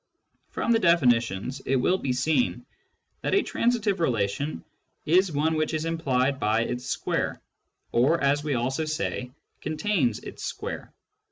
From the definitions it will be seen that a transitive relation is one which is implied by its square, or, as we also say, " con tains " its square.